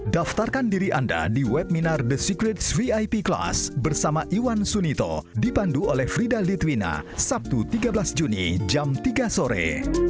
daftarkan diri anda di webminar the secrets vip class bersama iwan sunito dipandu oleh frida litwina sabtu tiga belas juni jam tiga sore